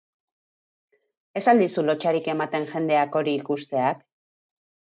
Ez al dizu lotsarik ematen jendeak hori ikusteak?